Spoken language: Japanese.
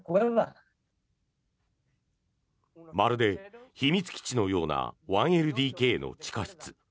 まるで秘密基地のような１ＬＤＫの地下室。